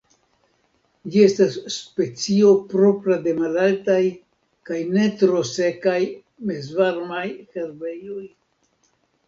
Ĝi estas specio propra de malaltaj kaj ne tro sekaj mezvarmaj herbejoj.